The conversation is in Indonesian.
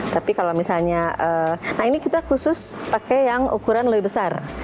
tapi kalau misalnya nah ini kita khusus pakai yang ukuran lebih besar